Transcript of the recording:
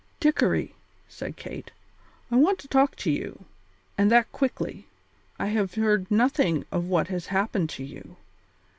"Dickory," said Kate, "I want to talk to you, and that quickly. I have heard nothing of what has happened to you.